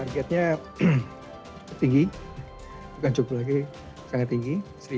targetnya tinggi bukan cukup lagi sangat tinggi